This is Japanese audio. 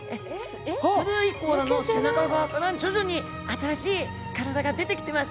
古い甲羅の背中側から徐々に新しい体が出てきてます。